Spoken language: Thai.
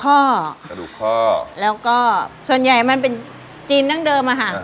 กระดูกข้อแล้วก็ส่วนใหญ่มันเป็นจีนดั้งเดิมอะค่ะ